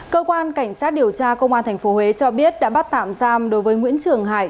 cơ quan cảnh sát điều tra công an tp huế cho biết đã bắt tạm giam đối với nguyễn trường hải